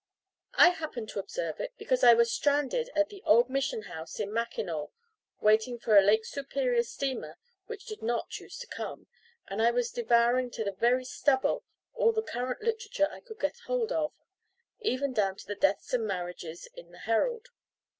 I happened to observe it, because I was stranded at the old Mission House in Mackinaw, waiting for a Lake Superior steamer which did not choose to come, and I was devouring to the very stubble all the current literature I could get hold of, even down to the deaths and marriages in the Herald.